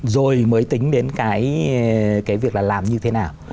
rồi mới tính đến cái việc là làm như thế nào